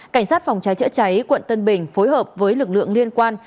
cảnh sát phòng cháy chữa cháy quận tân bình phối hợp với lực lượng liên quan